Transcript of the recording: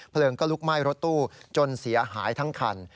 ก็ลุกไหม้รถตู้จนเสียหายทั้งคัน